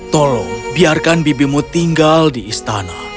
tolong biarkan bibimu tinggal di istana